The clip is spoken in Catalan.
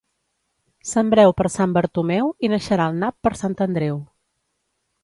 Sembreu per Sant Bartomeu i naixerà el nap per Sant Andreu.